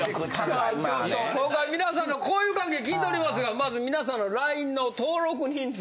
さあちょっと皆さんの交友関係聞いておりますがまず皆さんのＬＩＮＥの登録人数。